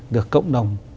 được cộng đồng